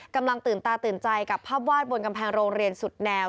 กำลังตื่นตาตื่นใจกับภาพวาดบนกำแพงโรงเรียนสุดแนว